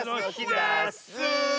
ダス！